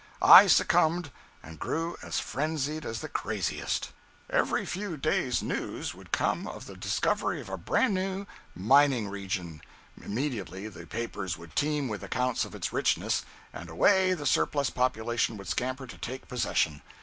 I succumbed and grew as frenzied as the craziest. 194.jpg (65K) Every few days news would come of the discovery of a bran new mining region; immediately the papers would teem with accounts of its richness, and away the surplus population would scamper to take possession.